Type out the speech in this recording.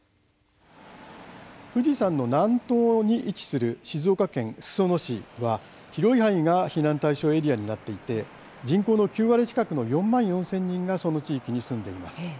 富士山の南東に位置する静岡県裾野市は広い範囲が避難対象エリアになっていて人口の９割近くの４万４０００人がその地域に住んでいます。